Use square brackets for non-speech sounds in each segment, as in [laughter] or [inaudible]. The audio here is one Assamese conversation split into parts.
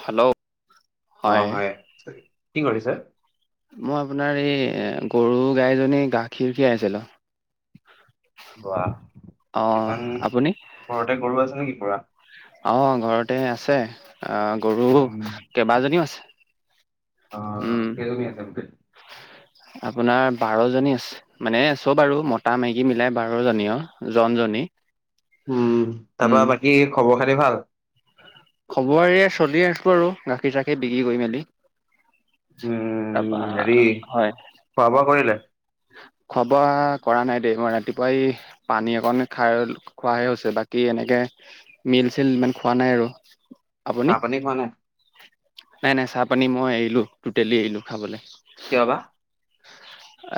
হেল্ল'। অ হয়। কি কৰিছে? মই আপোনাৰ এই গৰু গাইজনী গাখীৰ খীৰাই আছিলো। বা অ ইমান আপুনি? ঘৰতে গৰু আছে নেকি পুৰা? অহ ঘৰতে আছে আহ গৰু উম কেইবাজনীও অ আছে। উম। কেইজনী আছে [inaudible] আপোনাৰ বাৰ জনী আছে। মানে চব আৰু মতা মাইকী মিলাই বাৰ জনী জন জনী। উম তাৰ পৰা বাকী খবৰ খাতি ভাল? খবৰ এয়া চলি আছো আৰু গাখীৰ চাখিৰ বিক্ৰী কৰি মেলি। তাৰপা উম হেৰি হয় খোৱা বোৱা কৰিলে? খোৱা বোৱা কৰা নাই দেই মই ৰাতিপুৱাই পানী অকণ খাই খোৱাহে হৈছে বাকী এনেকে মিল চিল ইমান খোৱা নাই আৰু। আপুনি? চাহ পানী খোৱা নাই? নাই নাই চাহ পানী মই এৰিলো দেলি এৰিলো খাবলে। কিয় বা?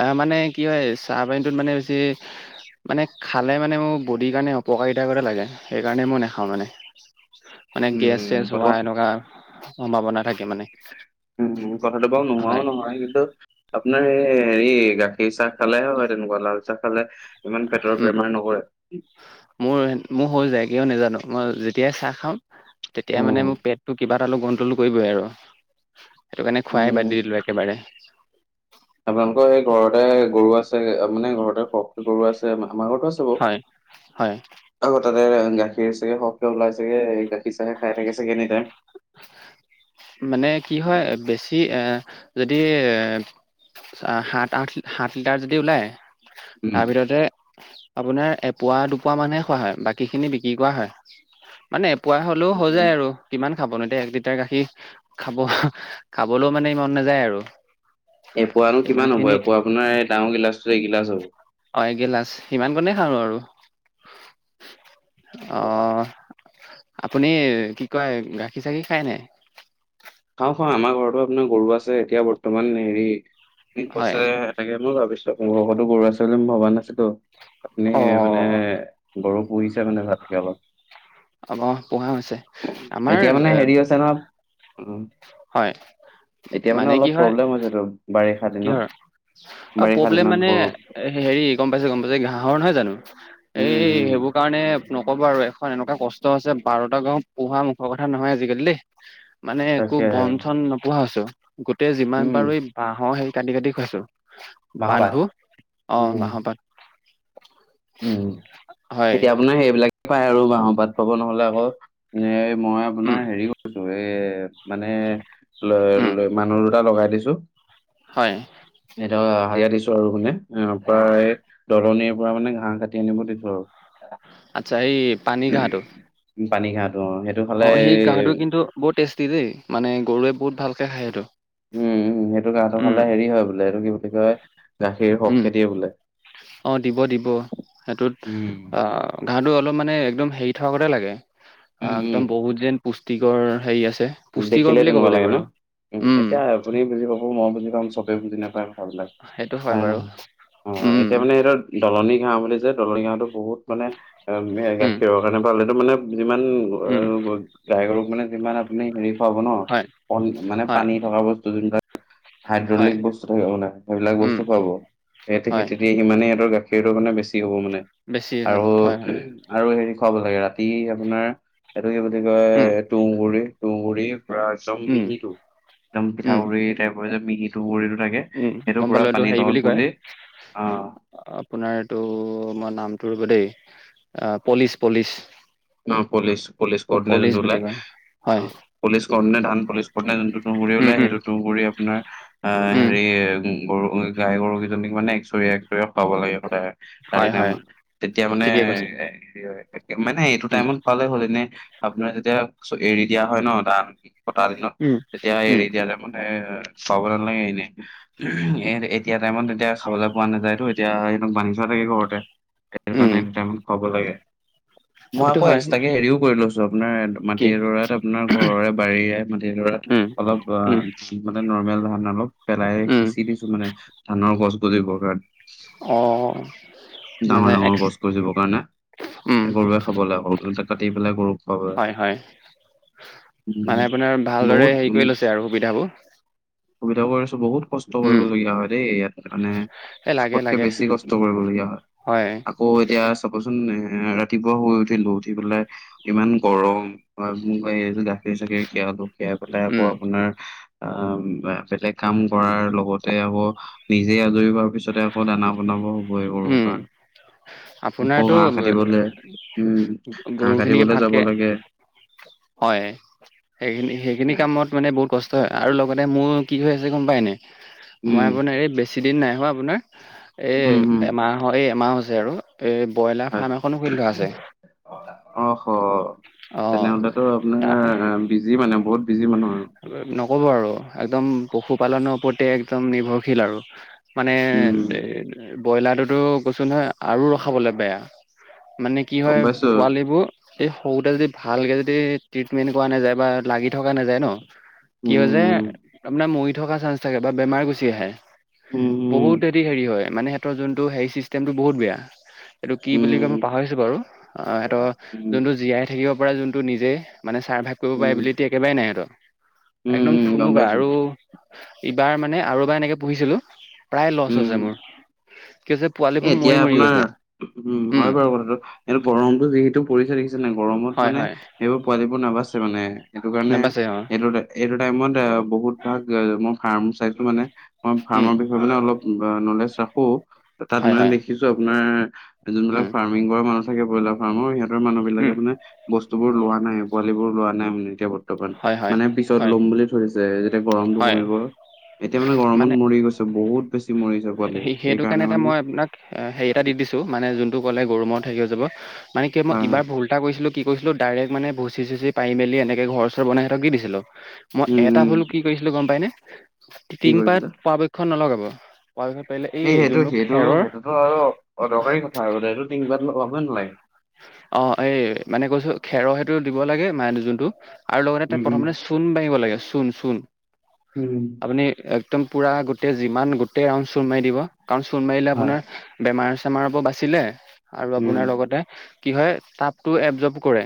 অ মানে কি হয় চাহ পানীটোত মানে বেছি মানে খালে মানে মোৰ বডিৰ কাৰণে অপকাৰিতা কৰা লাগে সেইকাৰণে মই নাখাওঁ মানে। মানে গেছ চেছ উম কথা হোৱা এনেকোৱা সম্ভাৱনা থাকে মানে। উম কথাটো বাৰু হয় নোহোৱাও নহয় কিন্তু আপোনাৰ এই হেৰি গাখীৰ চাহ খালেহে হয় তেনেকোৱা লাল চাহ খালে ইমান পেটৰ উম বেমাৰ নকৰে। মোৰ মোৰ হৈ যায় কিয় নাজানো মই যেতিয়াই চাহ খাম। তেতিয়া উম মানে মোৰ পেটটো কিবা টালো গন্তলো কৰিবই আৰু। সেইটো কাৰণে খুৱাই উম বাদ দি দিলো একেবাৰে। আপোনালোকৰ এই ঘৰতে গৰু আছে মানে ঘৰতে গৰু আছে আমাৰ ঘৰতো আছে। বাৰু হয় হয়। আকৌ তাতে গাখীৰ চাখীৰ শকে ওলাই চাগে, গাখীৰ চাহে খাই থাকে চাগে এনি টাইম। মানে কি হয় বেছি এ যদি সাত আঠ সাত লিটাৰ যদি ওলাই উম, তাৰ ভিততে আপোনাৰ এপোৱা দুপোৱা মানুহে খোৱা হয় বাকী খিনি বিক্ৰী কৰা হয়। মানে এপোৱা হলেও হৈ উম। যায় আৰু কিমান খাবনতে এক লিটাৰ গাখীৰ খাব খাবলৈও মানে মন নাযায় আৰু। এপোৱানো ইমান কিমান হ'ব খিনি এপোৱা আপোনাৰ এই ডাঙৰ গিলাচটো এগিলাচ হ'ব। অ এগিলাচ সিমান কনে খাওঁ আৰু এপোৱা অহ। আপুনি কি কয় গাখীৰ চাখীৰ খাই নাই? খাওঁ খাওঁ আমাৰ ঘৰতো আপোনাৰ গৰু আছে এতিয়া বৰ্তমান হেৰি হয় কৈছে তাকে মই ভাবিছো আপোনালোকৰ ঘৰতো গৰু আছে বুলি মই ভবা নাছিলো আপুনি অ মানে গৰুক পুহিছে মানে ভালকে অলপ। অ অ পোহা হৈছে আমাৰ এ অ, হয় এতিয়া মানে কি অলপ হয় প্ৰব্লেম হৈছেতো বাৰিষা কিহৰ দিনত বাৰিষা দিনত গৰু। এ হেৰি গম পাইছে, গম পাইছে ঘাঁহৰ নহয় জানো এই উম, উম, সেইবোৰ স কাৰণে নকব আৰু এখন এনেকুৱা কষ্ট আছে বাৰটা গাঁও পোহা মুখৰ কথা নহয় আজিকালি দেই। মানে একো তাকে বন চন নোপোৱা হৈছো গোটেই যিমান উম, পাৰো, বাঁহৰ হেৰি কাটি-কাটি খুৱাইছো মাহৰ ভাত পাতবোৰ অ, উম, বাঁহৰ পাত। উম, হয় এতিয়া আপোনাৰ সেইবিলাক পাই আৰু বাঁহৰ পাত পাব নহলে আকৌ এ মই উম আপোনাৰ হেৰি দুৱে এ মানে উম ল মানুহ দুটা লগাই দিছো। হয়, এ হাজিয়া দিছো আৰু শুনে অ, প্ৰায় দলনিৰ পৰা মানে ঘাঁহ কাটি আনিব লাগিব আৰু। আচ্ছা, এই পানী ঘাঁহটো। উম, পানী ঘাঁহটো সেইটো। খালে অ, সেই ঘাঁহটো কিন্তু বহুত টেষ্টি দেই মানে গৰুৱে বহুত ভালকে খায় সেইটো। উম, উম, সেইটো গাৰ উম ফালে হেৰি হয় বোলে এইটো কি বুলি কয় গাখীৰ উম সহকে দিয়ে বোলে। অ, দিব-দিব সেইটোত উম, অ, ঘাহটো অলপ মানে একদম হেৰি থকা গতে লাগে। একদম উম, বহুত যেন পুষ্টিকৰ হেৰি আছে। পুষ্টিকৰ দেখিলে বুলিয়ে ক'ব তেনেকুৱা লাগিব লাগে ন আৰু উ, উম। এতিয়া আপুনি বুজি পাব, মই বুজি পাম চবে বুজি নাপায়। সেইটো হয় বাৰু নহয় অ, উম এতিয়া মানে সেইটোত দলনি ঘাঁহ বুলি যে দলনি ঘাঁহটো বহুত মানে উম গাখীৰৰ কাৰণে ভাল। এটো মানে যিমান উম গাই গৰুক মানে যিমান আপুনি হেৰি খুৱাব ন হয় মানে হয় পানী থকা বস্তু। হয় হাইড্ৰলিক বস্তু থাকিব নাই, সেইবিলাক উম বস্তু খুৱাব সহতে হয় খেতি। ইমানেই সিহঁতৰ গাখীৰটো মানে বেছি হ'ব মানে। বেছি হয় আৰু হয় হয় আৰু হেৰি খুৱাব লাগে ৰাতি আপোনাৰ এইটো কি বুলি কয় উম তুঁহগুৰি তুহগুৰি পুৰা একদম উম মিহিটো একদম উম পিঠাগুড়ি টাইপৰ মিহি তুঁহগুৰিটো থাকে। উম সেইটো গম পুৰা পালোঁ এইটো পানী হেৰি বুলি লগত কয় গোলি আহ, আপোনাৰ এইটো মই নামটো ৰব দেই পলিচ-পলিচ। অ, পলিচ-পলিচ বুলি কৰ্ডিনেচনটোওলাই। কয় হয় পলিচ কৰোতে ধান পলিচ কৰতে যোনটো তুঁহগুৰী উম ওলাই উম সেইটো, কৰি আপোনাৰ অ, উম হেৰি গৰু গাই গৰুকেইজনীক মানে একচৰীয়া-একচৰীয়া খুৱাব লাগে সদায়। তাৰে হয় হয় টাইমত তেতিয়া মানে ঠিকে কৈছে মানে এইটো উম টাইমত খোৱালে হ'ল, এনে আপোনাৰ যেতিয়া এৰি দিয়া হয় ন ধান কটা দিনত উম তেতিয়া উম এৰি দিয়া টাইমত। এ খুৱাব নালাগে এনে। এ, এতিয়া টাইমত এতিয়া খাবলে পোৱা নাযায় তো এতিয়া সিহতক বান্ধি থোৱা থাকে ঘৰতে। উম নটামান খুৱাব লাগে। অ মই সেইটো আকৌ হয় এক্সট্ৰাকে হেৰিও কৰি লৈছো আপোনাৰ। কি মাটিডৰাত আপোনাৰ ঘৰৰে বাৰীৰে মাটিডৰাত উম অলপ বা উম মানে নৰ্মেল ধান অলপ পেলাই উম সিঁচি দিছো মানে ধানৰ গছ গজিবৰ কাৰণে। অ মানে ডাঙৰ-ডাঙৰ এক্স গছ-গজিবৰ কাৰণে উম এক খাব লাগ সৰুটা কাটি পেলাই গৰুক খুৱাব। হয় হয় মানে আপোনাৰ উম বহুত ভালদৰে হেৰি উম কৰি লৈছে আৰু সুবিধাবোৰ। সুবিধা কৰিছ বহুত। কষ্ট উম কৰিবলগীয়া হয় দেই ইয়াত মানে এই লাগে জোখত কে লাগে বেছি কষ্ট কৰিবলগীয়া হয়। হয়। আকৌ এতিয়া চাবচোন এ ৰাতিপুৱা শুই উঠিলো উঠি পেলাই ইমান গৰম ম এই গাখীৰ চাখৰি খিয়ালো। খিয়াই পেলাই আকৌ উম, আপোনাৰ আহ বেলেগ কাম কৰাৰ লগতে আকৌ নিজে আজৰি হোৱাৰ পিছতে আকৌ দানা বনাব। বয়ে গৰু উম, কাণ গৰু আপোনাৰতো ঘাহ কাটিবলে। উম, ঘাঁহ গৰুখিনিকে কাটিবলে যাব ভালকে লাগে। হয়। সেইখিনি সেইখিনি কামত মানে বহুত কষ্ট হয় আৰু লগতে মোৰ কি হৈ আছে গম পায় নাই? মই উম আপোনাৰ এই বেছি দিন নাই হোৱা আপোনাৰ এই উম উম অহ এই এমাহ হৈছে আৰু এই ব্ৰইলাৰ হয় ফাৰ্ম এখনো খুলি থোৱা আছে। অ হ, অ', তেনেহলে তো তাৰ আপোনাৰ বিজি মানে বহুত বিজি মানুহ আৰু। নকব আৰু একদম পশুপালনৰ ওপৰতে একদম নিৰ্ভৰশীল আৰু। মানে উম ব্ৰইলাৰটোতো কৈছো নহ আৰু ৰখাবলে বেয়া মানে। কি গম হয় পাইছো পোৱালিবোৰ এই সৰুতে যদি ভালকে যদি ট্ৰিটমেণ্ট কৰা নাযায় বা লাগি থকা নাযায় ন কিয় যে উম আপোনাৰ মৰি থকা চান্স থাকে বা বেমাৰ গুচি আহে। উম, উম। বহুত হেতি হেৰি হয় মানে সিহতৰ যোনটো হেৰি চিষ্টেমটো বহুত বেয়া। এইটো কি বুলি কয় মই উম, পাহৰিছো বাৰু অ হেতৰ উম, যোনটো জিয়াই থাকিব পৰা যোনটো নিজেই মানে ছাৰ্ভাইভ কৰিব পা উম, কেপাবিলি একেবাৰে নাই সেঁতৰ। উম, একদম উম, গম ঠুনুকা পাইছোঁ। আৰু। ইবাৰ মানে আৰু এবাৰ এনেকে পুহিছিলো প্ৰায় লচ হৈছে উম। মোৰ কি হৈছ এ, এতিয়া আপোনাৰ উম হয় বাৰু কথাটো সটো গৰমটো যিহেতু পৰিছে দেখি গৰমত হয় মানে হয় সেইবোৰ পোৱালি বোৰ নাবাছে মানে সেইটো কাৰণে নাবাছে অ এইটো এইটো টাইমত আ বহুত ভাগ আ মই ফাৰ্ম চাইছো মানে মই উম ফাৰ্মৰ বিষ ধৰি লোৱা অলপ নলেজ ৰাখো, তাত হয় মানে হয় দেখিছো আপোনাৰ যোনবিলাক উম ফাৰ্ম ফমিংৰ কৰা মানুহ থাকে ব্ৰলাৰ ফাৰ্ম ঐ সিহঁতৰ উম মানুহবিলাকৰ মানে বস্তুবোৰ লোৱা নাই পোৱালিবোৰ লোৱা নাই মানে এতিয়া বৰ্ত বৰ্তমান হয়, হয়, মানে পিছত হয়, লম বুলি থৈ দিছে যেতিয়া গৰমটো হয়, কমিব এতিয়া মানে গৰমত মৰি গৈছে বহুত বেছি মৰি যাব সে সেইটো কাৰণে এটা মই আপোনাক হেৰি এটা দি দিছো মানে যোনটো কলে গৰমত হৈ যাব। মানে কিয় হয় মই হয় ইবাৰ ভুল এটা কৰিছিলো কি কৰিছিলো ডাইৰেক্ট মানে ভুচি চুচি পাৰি মেলি এনেকে ঘৰ চৰ বনাই সিহঁতক দি দিছিলো। উম মই উম এটা ভুল কি কৰিছিলো গম পাই নে? কি কৰিছিলা টিংপাত পৰাপক্ষ নলগাব। পৰাপক্ষত পাৰিলে এই সেইটো যোনটো কি সেইটো খেৰৰ সেইটোতো আৰু অদৰকাৰী কথা আৰু দে সেটো তিনপাত লগাবই নালাগে। অ, এই মানে কৈছো খেৰৰ সেইটো দিব লাগে মান যোনটো আৰু লগতে উম তাত উম প্ৰথমতে চু চূণ মাৰিব লাগে চূণ চূণ উম। আপুনি একদম পুৰা গোটেই যিমান গোটেই ৰাউণ্ড চূণ মাৰি দিব কাৰণ চূণ মাৰিলে হয় আপোনাৰ বেমাৰ চেমাৰ পৰা বাছিলে আৰু উম আপোনাৰ লগতে কি হয় তাপটো এবজব কৰে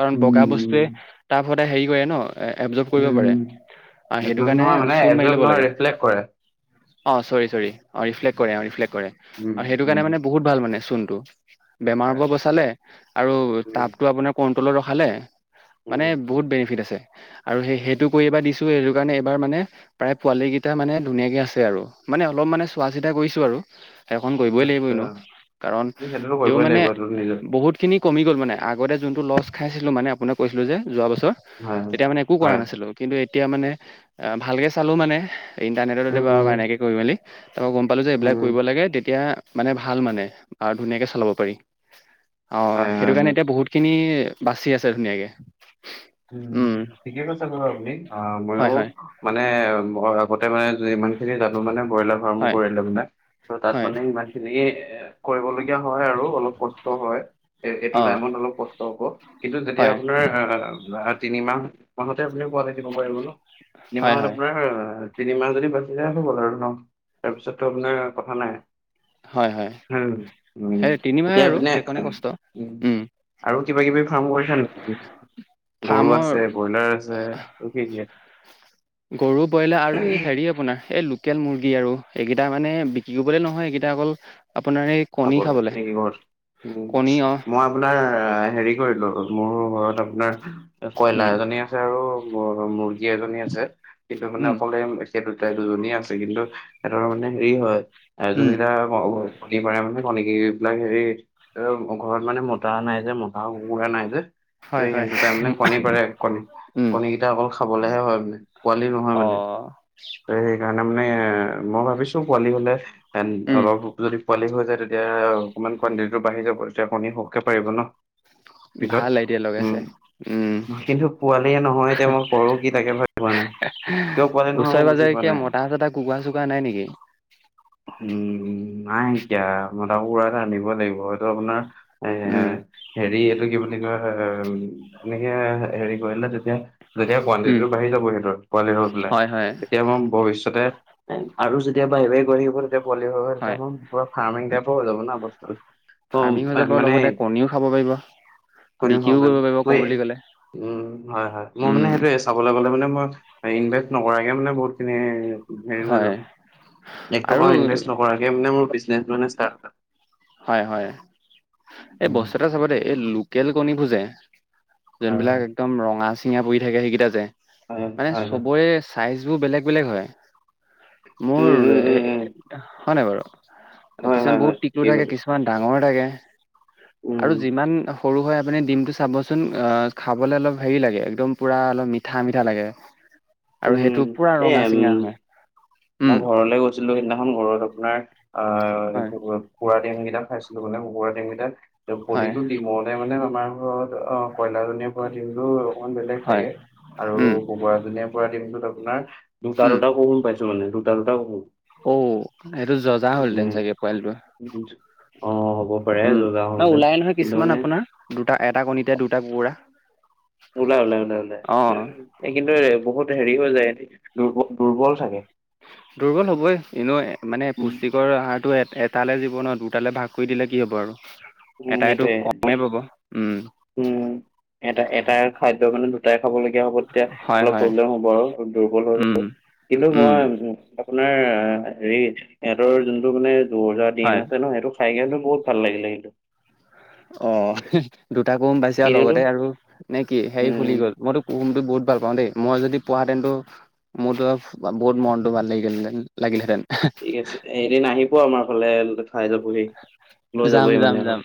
কাৰণ, বগা বস্তুৱে উম তাপ সদায় হেৰি কৰে ন। এবজব উম কৰিব পাৰে উম আহ সেইটো এবজৰ্ব কাৰণে নহয় মানে চূণ মাৰি এবজৰ্ব ল'ব নহয় লাগে ৰিফ্লেক্ট কৰে অ চৰি চৰি ৰিফ্লেট কৰে অঁ ৰিফ্লেট কৰে উম অ সেইটো উম কাৰণে মানে বহুত ভাল মানে চূণটো বেমাৰ হয় পৰা বচালে আৰু উম তাপটো আপোনাৰ কন্ট্ৰলত ৰখালে। মানে উম বহুত বেনিফিট আছে আৰু সেই সেইটো কৰি এইবাৰ দিছো এইটো কাৰণে এইবাৰ মানে প্ৰায় পোৱালি কেইটা মানে ধুনীয়াকে আছে আৰু মানে অলপ মানে চোৱা চিতা কৰিছো আৰু। সেইকণ কৰিবই লাগিবই আচ্ছা এনেও কাৰণ উম, সেইটোতো তেওঁ কৰিবই মানে লাগিব এইটো নিজৰ ব বহুতখিনি কমি গ'ল মানে আগতে যোনটো লষ্ট খাইছিলোঁ মানে আপোনাক কৈছিলোঁ যে যোৱা বছৰ হয় হয় তেতিয়া মানে একো কৰা হয় নাছিলো কিন্তু এতিয়া মানে আহ ভালকে চালো মানে। ইণ্টাৰনেটত উম বা উম এনেকে কৰি মেলি তাৰপৰা গম পালোঁ যে এইবিলাক উম কৰিব লাগে। তেতিয়া হে, মানে ভাল মানে আৰু ধুনীয়াকে চলাব পাৰি। আহ, হয় সেইটো হয় কাৰণে হয় এতিয়া বহুতখিনি বাচি আছে ধুনীয়াকে। উম, ঠিকে কৈছে বাৰু আপুনি মই হয় হয় মানে আগতে মানে যিমানখিনি জানো মানে ব্ৰইলাৰ, হয় [unintelligible] ত' তাত হয় মানে ইমান তেনেকেই এ কৰিবলগীয়া হয় আৰু অলপ কষ্ট হয়। এ এইটো অ টাইমত অলপ কষ্ট হব, কিন্তু যেতিয়া হয় আপোনাৰ আহ তিনি মাহ মাহতে আপুনি পোৱালি দিব পাৰিব ন। তিনি হয় মাহত হয় আপোনাৰ তিনিমাহ যদি বাচি যায় হৈ গ'ল আৰু ন, তাৰপিছতটো আপোনাৰ কথা নাই। হয় হয় হম সেই তিনিমাহে এতিয়া আৰু সেইপিনে সেইকণে কষ্ট উম আৰু কিবা কিবি ফাৰ্ম কৰিছা নেকি? গৰু ফাৰ্মৰ আছে, ব্ৰইলাৰ আছে আৰু কি-কি আছে? গৰু ব্ৰইলাৰ আৰু এই হেৰি আপোনাৰ এই লো লোকেল মুৰ্গী আৰু এইকেইটা মানে বিক্ৰী কৰিবলৈ নহয়। এইকেইটা অকল আপোনাৰ এই খাবলে নেকি ঘৰত উম, কণী অ মই আপোনাৰ হেৰি কৰিলো, মোৰ ঘৰত আপোনাৰ কয়লা উম এজনী আৰু মুৰ্গী এজনী আছে কিন্তু মানে উম অকলে সেইটোয়ে দুজনী আছে কিন্তু সিহঁতৰ মানে হেৰি হয় এ উম যোনকিটা, পাৰে মানে কনী এইবিলাক হেৰি, এ ঘৰত মানে মতা নাই যে মতা কুকুৰা নাই যে? হয় হয় তাই মানে কণী পাৰে উম কণী-কণী কেইটা অকল খাবলেহে হয় মানে, পোৱালি নহয় অ মানে। [unintelligible] ত সেইকাৰণে মানে এ মই ভাবিছো পোৱালি হলে উম অলপ যদি পোৱালি হৈ যায় তেতিয়া অকণমান কোৱণ্টিটিটো বাঢ়ি যাব তেতিয়া আপুনি সৰহকে পাৰিব ন। পিছত ভাল আইডিয়া উম, লগাইছে উম কিন্তু পোৱালিয়ে নহয় এতিয়া মই কৰোঁ কি তাকে ভাব পোৱা নাই। কিয় পোৱালি নহয় ওচৰে মই বুজি পাজৰে পোৱা কিয় নাই মতা চতা কুকুৰা-চুকুৰা নাই নেকি? উম, নাই এতিয়া মতা কুকুৰা এটা আনিব লাগিব। সেইটো আপোনাৰ এ উম। হেৰি এইটো কি বুলি কয় এ এনেকে হেৰি কৰিলে তেতিয়া যেতিয়া উম কোৱানটিটিটো বাঢ়ি যাব। সেইটোৰ পোৱালি হৈ পেলাই হয় হয় তেতিয়া মই ভৱিষ্যতে- আৰু যেতিয়া বাঢ়ি-বাঢ়ি গৈ থাকিব তেতিয়া পোৱলি হৈ হৈ তেতিয়া হয় পুৰা ফাৰ্মিং টাইপৰ হৈ যাব না বস্তুটো। অ' ফাৰ্মিং হৈ যাব লগতে কণীও খাব পাৰিব। কণীও বিক্ৰীও খাব কৰিব পাৰিব কওঁ বুলি ক'লে পাৰিম উম, হয়-হয়। মোৰ উম মানে সেইটোয়ে চাবলৈ গ'লে, মানে মই ইনভেষ্ট নকৰাকে মানে বহুতখিনি হেৰি হৈ হয় যাব, এক আৰু টকা ইনভেষ্ট নকৰাকে মানে মোৰ বিজনেচ মানে ষ্টাৰ্ট হয়-হয় এই বস্তু এটা চাব দেই এই লোকেল কণীবোৰ যে হয় যোনবিলাক একদম ৰঙা-চিঙা পৰি থাকে যে সেইকেইটা যে হয় মানে হয় হয় হয় চবৰে চাইজ বোৰ বেলেগ-বেলেগ হয়। মোৰ উম উম এ উম উম হয় নাই বাৰু। হয় কিছুমান হয় বহুত হয় টিকলো ঠিকে থাকে, কৈছে কিছুমান ডাঙৰ থাকে। উম আৰু যিমান সৰু হৈ আপুনি ডিমটো চাবচোন খাবলে অলপ হেৰি লাগে একদম পূৰা অলপ মিঠা-মিঠা লাগে। আৰু উম, সেইটো পুৰা এ ৰঙা চিঙা হয় মই উম ঘৰলে গৈ ছিলো সিদিনাখন ঘৰত আপোনাৰ আহ, হয় কুকুৰা ডিমকেইটা খাইছিলো, মানে কুকুৰা ডিমকেইটা হয় প্ৰতিটো ডিমত মানে আমাৰ ঘৰত অ, কয়লাজনীয়ে পৰা ডিমটো অকমান বেলেগ হয় থাকে আৰু উম কুকুৰাজনীয়ে পৰা ডিমটোত আপোনাৰ উম দুটা-দুটা কুহুম পাইছে। মানে দুটা-দুটা কুহুম। অ, এইটো যজা হ'লহঁতেন চাগে পোৱালিটো। অঁ হ'ব পাৰে উম যজা ন হলহেঁতেন ওলাই নহয় কিন্তু কিছুমান মানে আপোনাৰ দুটা এটা কণীতে দুটা কুকুৰা। ওলাই ওলাই ওলাই ওলাই অ এই কিন্তু বহুত হেৰিও যায় এ দুৰ্বল দুৰ্বল থাকে। দুৰ্বল হ'বই এনেও মানে উম পুষ্টিকৰ আহাৰটো এটালৈ জিব ন দুটালৈ ভাগ কৰি দিলে কি হ'ব আৰু। উম এটাইটো সেইটোৱে কমেই পাব উম। উম এটা এটাৰ খাদ্য মানে দুটাই খাব লাগিব। হ'ব তেতিয়া হয় অলপ হয় প্ৰব্লেম হ'ব আৰু দুৰ্বল উম হৈ কিন্তু উম মই উ আপোনাৰ অ হেৰি সিহঁতৰ যোনটো মানে জৰ জাৰ ডিম হয় আছে ন সেইটো খাই কেনে বহুত ভাল লাগিলে কিন্তু। অ দুটা কুহুম পাইছে আৰু এনেওতো লগতে আৰু নে কি হেৰি ফুলি উম গল মইতো কুহুমটো বহুত ভাল পাওঁ দেই মই যদি পোৱা হেতেনটো মোৰতো বহুত মনটো ভাল লাগিলতেন লাগিলেহেঁতেন। ঠিক আছে এদিন আহিব আমাৰ ঘৰলে। খাই যাবহি লৈ যাম যাবহি যাম মানে আৰু যাম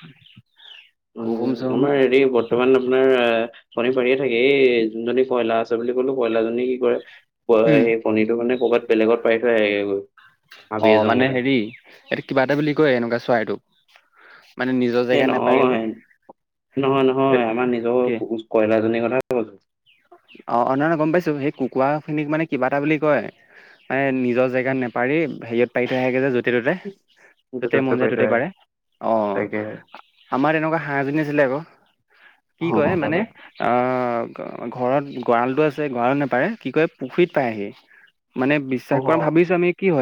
উ কুহুম চুহুম আমাৰ হেৰি বৰ্তমান আপোনাৰ আহ কনী পাৰিয়ে থাকে এই যোনজনী কয়লা আছে বুলি কলো কয়লাজনী কি কৰে উম সেই কণীটো মানে ক'ৰবাত বেলেগত পাই থৈ আহেগৈ- অ মানে হেৰি এইটো কিবা এটা বুলি কয় এনেকুৱা চৰাইটোক। সেই নহয় নহয় নহয় আমাৰ নিজৰ কি কয়লাজনীৰ কথা কৈছো। অ অনা গম পাইছো সেই কুকুৰা খিনিক মানে কিবা এটা বুলি কয় মানে নিজৰ জেগাত নেপাৰি হেৰিয়ত পাৰি থৈ আহেগে যে য'তে ত'তে। য'তে য'তেই ত'তে মন যায় পাৰি থৈ ততেই আহে পাৰে অঁ। তাকে। আমাৰ এনেকুৱা হাঁহ এজনি আছিলে আকৌ। কি কয় অ' মানে তাৰপা অঁ ঘৰত গঁৰালতো আছে গঁৰালত নেপাৰে কি কয় পুখুৰীত পাৰেগে মানে বিশ্বাস কৰা অ' ভাবিছো আমি কি হয়?